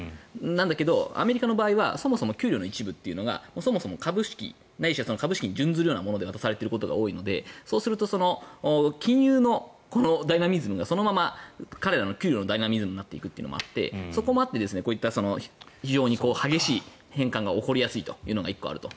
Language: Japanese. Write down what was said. なんだけど、アメリカの場合はそもそも給料の一部がそもそも株式ないしは株式に準ずるもので渡されていることが多いので金融のダイナミズムが彼らの給料のダイナミズムになっていくことがあってそこもあって非常に激しい変換が起こりやすいというのが１個あると。